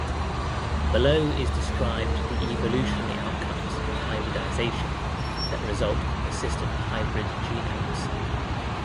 Below is described the evolutionary outcomes of hybridisation that result in persistent hybrid genomes.